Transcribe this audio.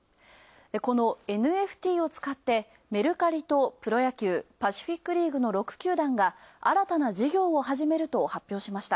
このＮＦＴを使って、メルカリとプロ野球パシフィック・リーグの６球団が新たな事業を始めると発表しました。